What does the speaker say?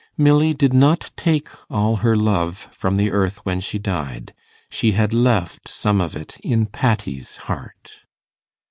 Milly did not take all her love from the earth when she died. She had left some of it in Patty's heart.